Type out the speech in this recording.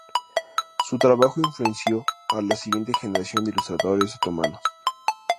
Su trabajo influenció a la siguiente generación de ilustradores otomanos.